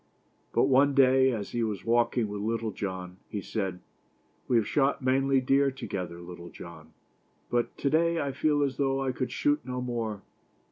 But one day, as he was walking with Little John, he said : "We have shot many deer together, Luctle John, but to day I feel as though I could shoot no more."